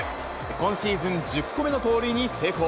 今シーズン１０個目の盗塁に成功。